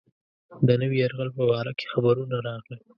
د نوي یرغل په باره کې خبرونه راغلل.